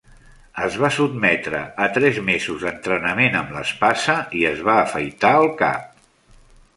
Es va sotmetre a tres mesos d'entrenament amb l'espasa i es va afaitar el cap.